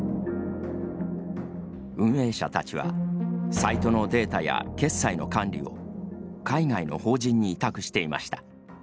運営者たちはサイトのデータや決済の管理を海外の法人に委託していました。